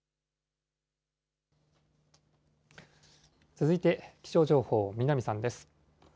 続いて気象情報、南さんです。